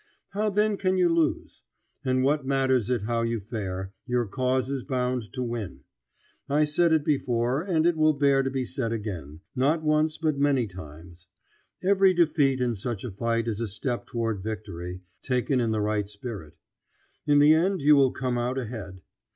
How then can you lose? And what matters it how you fare, your cause is bound to win. I said it before, but it will bear to be said again, not once but many times: every defeat in such a fight is a step toward victory, taken in the right spirit. In the end you will come out ahead.